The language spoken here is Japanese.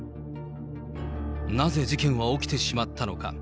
なぜ事件は起きてしまったのか。